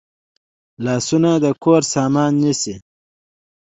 لاسونه د کور سامان نیسي